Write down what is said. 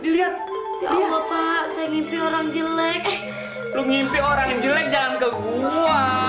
lu mimpi orang jelek jangan ke gua